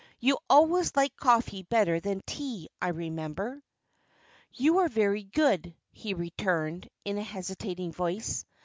You always liked coffee better than tea, I remember." "You are very good," he returned, in a hesitating voice.